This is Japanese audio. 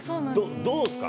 どうなんですか？